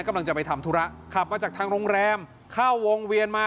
กำลังจะไปทำธุระขับมาจากทางโรงแรมเข้าวงเวียนมา